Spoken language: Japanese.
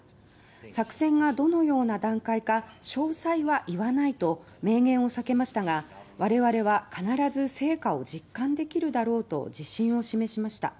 作戦がどのような段階か詳細は言わないと明言を避けましたが我々は必ず成果を実感できるだろうと自信を示しました。